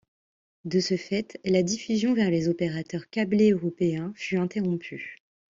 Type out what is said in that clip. De ce fait, la diffusion vers les opérateurs câblés européens fut interrompue.